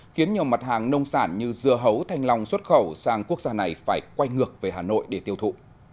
khiến nhiều mặt hàng nông sản như dưa hấu thanh long xuất khẩu sang quốc gia này phải quay ngược về hà nội để tiêu thụ